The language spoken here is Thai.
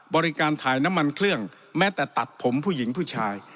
บริการถ่ายน้ำมันเครื่องแม้แต่ตัดผมผู้หญิงผู้ชาย